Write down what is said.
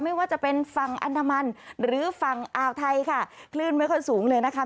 ไม่ว่าจะเป็นฝั่งอันดามันหรือฝั่งอ่าวไทยค่ะคลื่นไม่ค่อยสูงเลยนะคะ